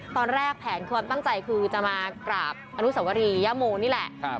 แผนความตั้งใจคือจะมากราบอนุสวรียโมนี่แหละ